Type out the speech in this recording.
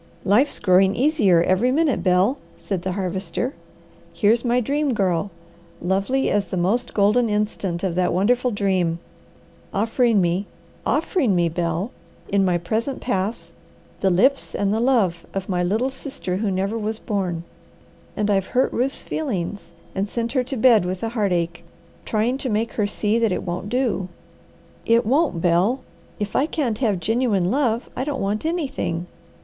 "Life's growing easier every minute, Bel," said the Harvester. "Here's my Dream Girl, lovely as the most golden instant of that wonderful dream, offering me offering me, Bel in my present pass, the lips and the love of my little sister who never was born. And I've hurt Ruth's feelings, and sent her to bed with a heartache, trying to make her see that it won't do. It won't, Bel! If I can't have genuine love, I don't want anything.